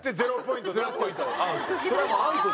それはもうアウト。